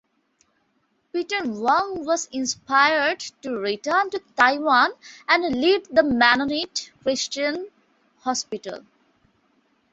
Peter Huang was inspired to return to Taiwan and lead the Mennonite Christian Hospital.